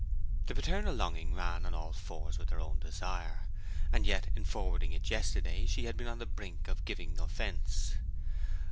The paternal longing ran on all fours with her own desire; and yet in forwarding it yesterday she had been on the brink of giving offence.